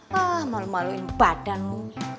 hah malu maluin badanmu